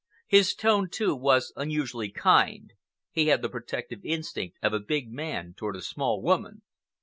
His tone, too, was unusually kind. He had the protective instinct of a big man toward a small woman.